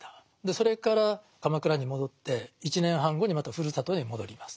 それから鎌倉に戻って１年半後にまたふるさとに戻ります。